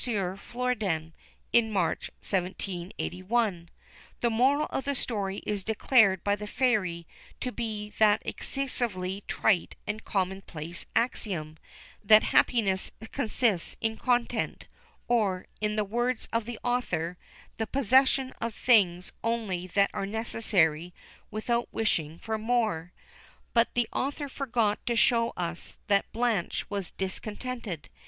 Florian, in March, 1781. The moral of the story is declared by the Fairy to be that excessively trite and common place axiom, that happiness consists in content, or, in the words of the author, the possession of things only that are necessary without wishing for more; but the author forgot to show us that Blanche was discontented.